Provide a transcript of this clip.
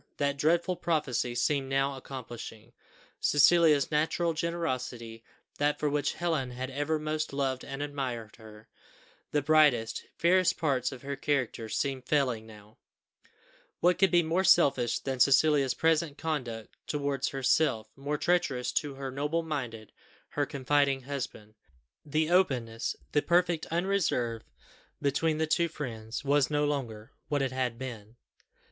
That dreadful prophecy seemed now accomplishing: Cecilia's natural generosity, that for which Helen had ever most loved and admired her, the brightest, fairest parts of her character, seemed failing now; what could be more selfish than Cecilia's present conduct towards herself, more treacherous to her noble minded, her confiding husband! The openness, the perfect unreserve between the two friends, was no longer what it had been.